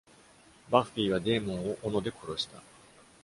バッフィーはデーモンを斧で殺した。